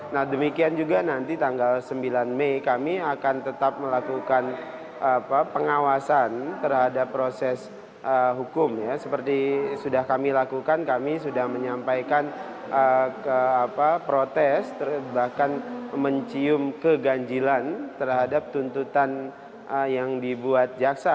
nah demikian juga nanti tanggal sembilan mei kami akan tetap melakukan pengawasan terhadap proses hukum ya seperti sudah kami lakukan kami sudah menyampaikan protes bahkan mencium keganjilan terhadap tuntutan yang dibuat jaksa